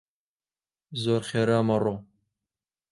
زۆر خێرا مەڕۆ!